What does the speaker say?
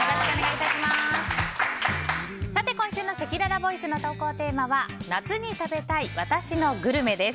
今週のせきららボイスの投稿テーマは夏に食べたい私のグルメです。